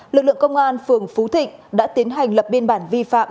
lực lượng công an phường phú thịnh đã tiến hành lập biên bản vi phạm